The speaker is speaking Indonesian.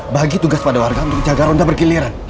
bagi tugas pada warga untuk menjaga ronda berkiliran